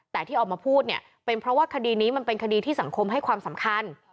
แต่ที่ออกมาพูดเนี่ยเป็นเพราะว่าคดีนี้มันเป็นคดีที่สังคมให้ความสำคัญ